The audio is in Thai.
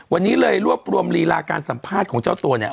วันนี้เลยรวบรวมลีลาการสัมภาษณ์ของเจ้าตัวเนี่ย